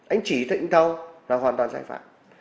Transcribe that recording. anh chỉ thịnh thâu là hoàn toàn sai phạm